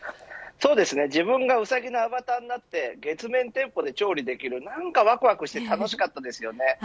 自分がウサギにアバターになって月面店舗で調理できる何かわくわくして楽しかったです。